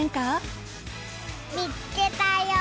見つけたよ。